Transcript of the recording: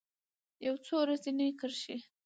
یو څو رزیني کرښې